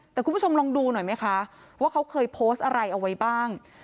แต่คุณผู้ชมลองดูหน่อยไหมคะว่าเขาเคยโพสต์อะไรเอาไว้บ้าง